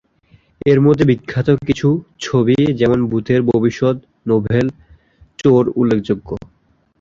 এরমধ্যে বিখ্যাত কিছু ছবি যেমন ভূতের ভবিষ্যত, নোবেল চোর উল্লেখযোগ্য।